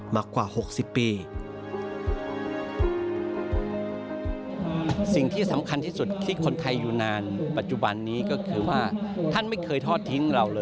มากกว่า๖๐ปี